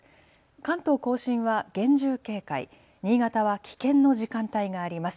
関東甲信は厳重警戒、新潟は危険の時間帯があります。